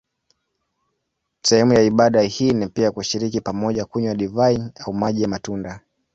Sehemu ya ibada hii ni pia kushiriki pamoja kunywa divai au maji ya matunda.